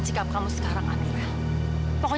bapak lo tuh pembunuh